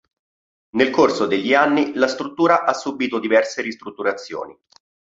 Nel corso degli anni la struttura ha subito diverse ristrutturazioni.